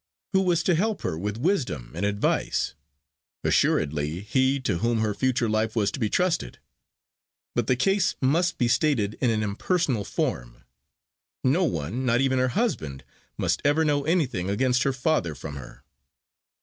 Who was to help her with wisdom and advice? Assuredly he to whom her future life was to be trusted. But the case must be stated in an impersonal form. No one, not even her husband, must ever know anything against her father from her.